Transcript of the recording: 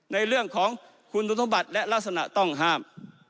ในเรื่องของคุณสมบัติและลักษณะต้องห้าม